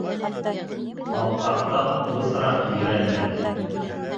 Батҡаҡтан бысраҡ ерәнә.